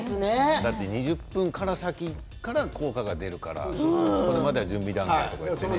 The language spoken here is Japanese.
２０分から先から効果が出るからそれまでは準備段階ってね。